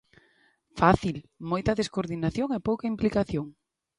Fácil: moita descoordinación e pouca implicación.